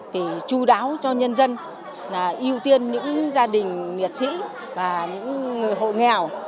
vì chú đáo cho nhân dân là ưu tiên những gia đình miệt sĩ và những người hộ nghèo